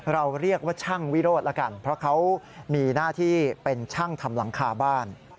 เราเรียกว่าช่างวิโรธแล้วกันเพราะเขามีหน้าที่เป็นช่างทำหลังคาบ้าน